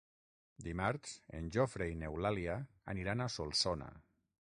Dimarts en Jofre i n'Eulàlia aniran a Solsona.